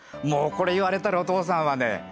もうこれ言われたらお父さんはね